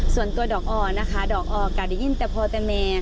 ส่วนตัวดอกออนะคะดอกออกะได้ยินแต่พอแต่แม่